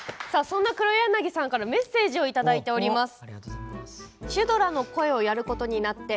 そんな黒柳さんからメッセージをいただいております。